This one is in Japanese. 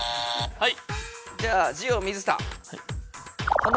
はい。